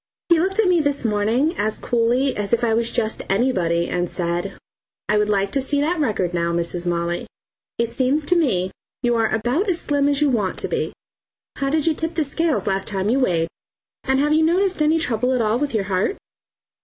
He looked at me this morning as coolly as if I was just anybody and said "I would like to see that record now, Mrs. Molly. It seems to me you are about as slim as you want to be. How did you tip the scales last time you weighed, and have you noticed any trouble at all with your heart?